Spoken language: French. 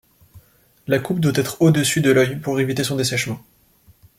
La coupe doit être au-dessus de l’œil pour éviter son dessèchement.